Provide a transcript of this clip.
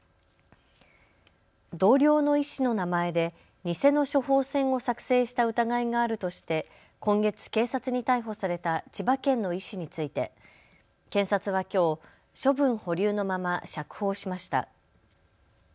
同僚の医師の名前で偽の処方箋を作成した疑いがあるとして今月、警察に逮捕された千葉県の医師について検察はきょう処分保留のまま釈放しました。